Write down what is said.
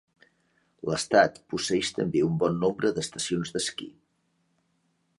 L'estat posseeix també un bon nombre d'estacions d'esquí.